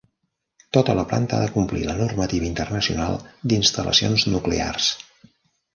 Tota la planta ha de complir la normativa internacional d'instal·lacions nuclears.